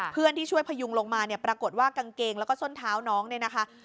เพื่อนที่ช่วยพยุงลงมาเนี่ยปรากฏว่ากางเกงแล้วก็ส้นเท้าน้องเนี่ยนะคะ